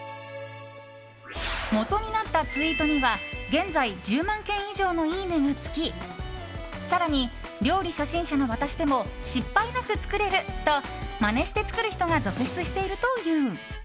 元となったツイートには現在１０万件以上のいいねが付き更に料理初心者の私でも失敗なく作れるとまねして作る人が続出しているという。